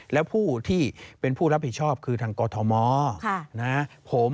แล้วผู้ที่เป็นผู้รับผิดชอบคือทางกอทม